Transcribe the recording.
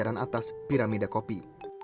jajaran atas piramida kopi